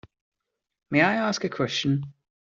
May I ask a question?